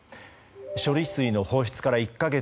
処理水の放出から１か月。